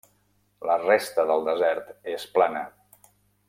La resta del desert és plana.